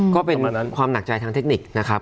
ก็เป็นความหนักใจทางเทคนิคนะครับ